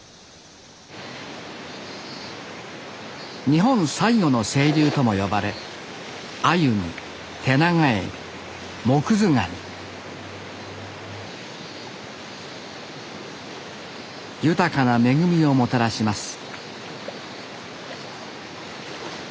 日本最後の清流とも呼ばれアユにテナガエビモクズガ二豊かな恵みをもたらします